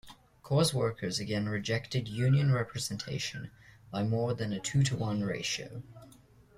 Coors workers again rejected union representation by more than a two-to-one ratio.